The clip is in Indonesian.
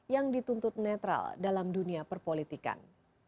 yang dituntut netral dalam dunia perpolitikan